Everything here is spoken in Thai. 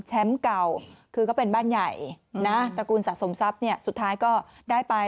เก่าคือก็เป็นบ้านใหญ่นะตระกูลสะสมทรัพย์เนี่ยสุดท้ายก็ได้ไป